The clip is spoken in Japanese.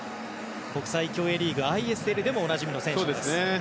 国際競泳リーグでもおなじみの選手です。